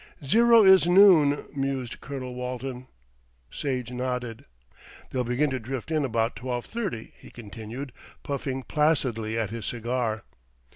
"Zero is noon," mused Colonel Walton. Sage nodded. "They'll begin to drift in about twelve thirty," he continued, puffing placidly at his cigar.